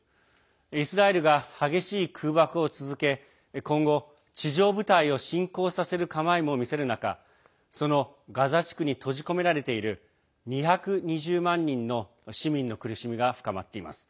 イスラエルが激しい空爆を続け今後、地上部隊を侵攻させる構えも見せる中そのガザ地区に閉じ込められている２２０万人の市民の苦しみが深まっています。